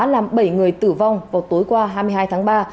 làm bảy người tử vong vào tối qua hai mươi hai tháng ba